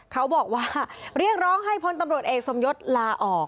เขาบอกว่าเรียกร้องให้พลตำรวจเอกสมยศลาออก